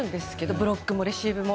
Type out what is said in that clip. ブロックもレシーブも。